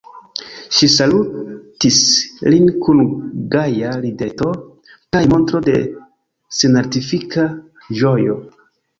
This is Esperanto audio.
Ŝi salutis lin kun gaja rideto kaj montro de senartifika ĝojo.